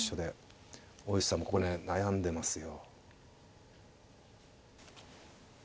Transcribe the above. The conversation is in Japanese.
大石さんもここね悩んでますよ。